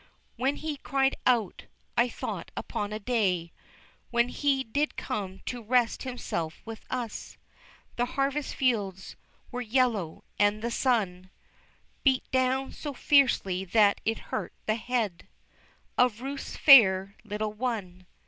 When He cried out, I thought upon a day When He did come to rest Himself with us, The harvest fields were yellow, and the sun Beat down so fiercely that it hurt the head Of Ruth's fair little one.